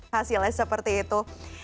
hasilnya seperti itu